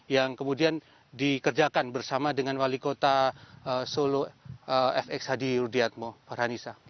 yang kemudian dikerjakan bersama dengan wali kota solo fx hadi rudiatmo farhanisa